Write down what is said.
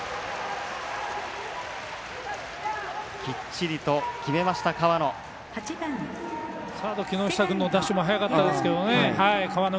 きっちりと、決めました河野。